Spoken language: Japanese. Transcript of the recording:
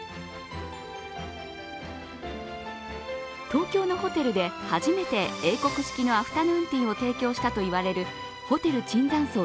東京のホテルで初めて英国式のアフタヌーンティーを提供したと言われる提供したと言われるホテル椿山荘